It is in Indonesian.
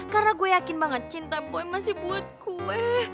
karena gue yakin banget cinta boy masih buat gue